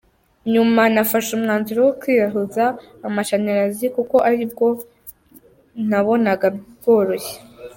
Nyuma nafashe umwanzuro wo kwihayuza amashanyarazi kuko aribwo buryo nabonaga bworoshye.